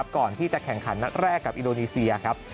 ก่อนที่จะแข่งขันนัดแรกกับอินโดนีเซียครับ